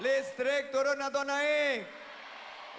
listrik turun atau naik